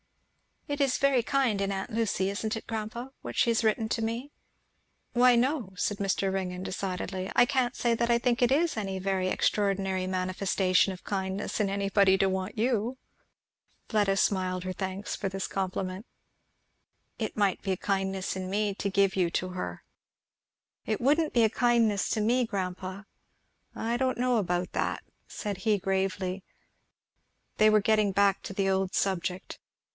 "It is very kind in aunt Lucy, isn't it, grandpa, what she has written to me?" "Why no," said Mr. Ringgan, decidedly, "I can't say I think it is any very extraordinary manifestation of kindness in anybody to want you." Fleda smiled her thanks for this compliment. "It might be a kindness in me to give you to her." "It wouldn't be a kindness to me, grandpa." "I don't know about that," said he gravely. They were getting back to the old subject.